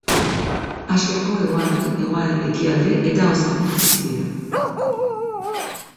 Asiako hegoalde, hego-ekialde eta Ozeanian bizi dira.